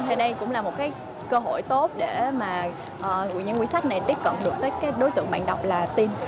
thế đây cũng là một cái cơ hội tốt để mà những ngôi sách này tiếp cận được các đối tượng bạn đọc là tin